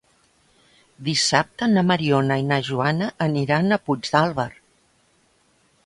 Dissabte na Mariona i na Joana aniran a Puigdàlber.